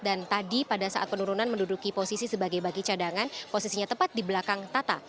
dan tadi pada saat penurunan menduduki posisi sebagai bagi cadangan posisinya tepat di belakang tata